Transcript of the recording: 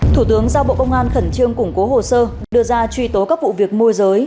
thủ tướng giao bộ công an khẩn trương củng cố hồ sơ đưa ra truy tố các vụ việc môi giới